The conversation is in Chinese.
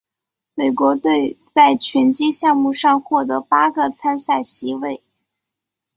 美国队在拳击项目上获得八个参赛席位。